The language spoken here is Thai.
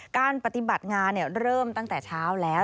การปฏิบัติงานเริ่มตั้งแต่เช้าแล้ว